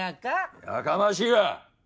やかましいわ！